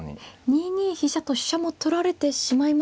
２二飛車と飛車も取られてしまいますがそこで。